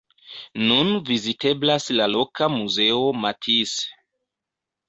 Nun viziteblas la loka muzeo Matisse.